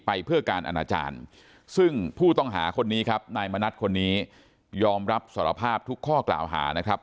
ไปเพื่อการอนาจารย์ซึ่งผู้ต้องหาคนนี้ครับนายมณัฐคนนี้ยอมรับสารภาพทุกข้อกล่าวหานะครับ